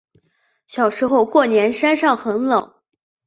小时候过年山上很凉